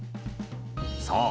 そう。